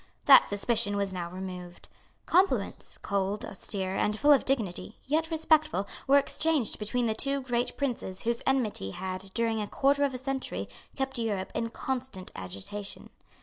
That suspicion was now removed. Compliments, cold, austere and full of dignity, yet respectful, were exchanged between the two great princes whose enmity had, during a quarter of a century, kept Europe in constant agitation.